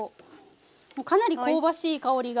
もうかなり香ばしい香りが。